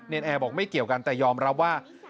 แอร์บอกไม่เกี่ยวกันแต่ยอมรับว่า